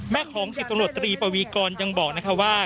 แม่ของ๑๐ตำรวจตรีปวีกรยังบอกนะคะว่า